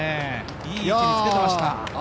いい位置につけてきました。